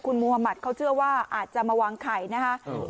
คุณมุธมัติเขาเชื่อว่าอาจจะมาวางไข่นะคะ